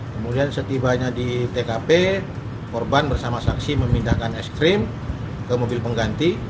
kemudian setibanya di tkp korban bersama saksi memindahkan es krim ke mobil pengganti